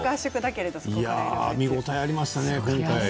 見応えがありましたね。